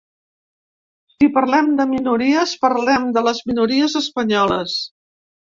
Si parlem de minories, parlem de les minories espanyoles.